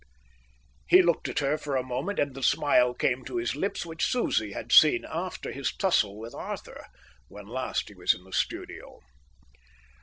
He looked at her for a moment; and the smile came to his lips which Susie had seen after his tussle with Arthur, when last he was in the studio.